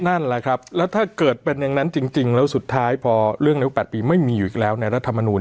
นั่นแหละครับแล้วถ้าเกิดเป็นอย่างนั้นจริงแล้วสุดท้ายพอเรื่องนายก๘ปีไม่มีอยู่อีกแล้วในรัฐมนูล